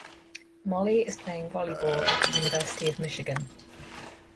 Molly is playing volleyball at the University of Michigan.